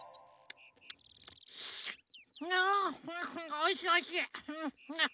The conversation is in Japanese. おいしいおいしい。